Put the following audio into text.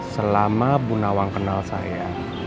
selama bu nawang kenal saya